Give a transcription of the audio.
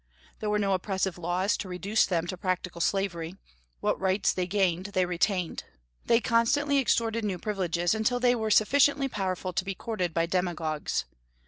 There were no oppressive laws to reduce them to practical slavery; what rights they gained they retained. They constantly extorted new privileges, until they were sufficiently powerful to be courted by demagogues.